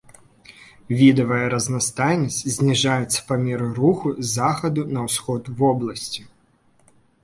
Відавая разнастайнасць зніжаецца па меры руху з захаду на ўсход вобласці.